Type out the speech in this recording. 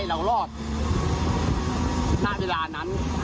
หน้าเวลานั้น